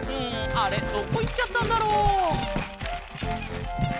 あれどこいっちゃったんだろう？